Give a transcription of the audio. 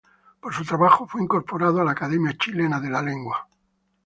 Por su trabajo, fue incorporado a la Academia Chilena de la Lengua.